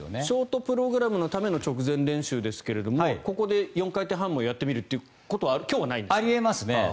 ショートプログラムのための直前練習ですけどここで４回転半もやってみるということはあるんですか？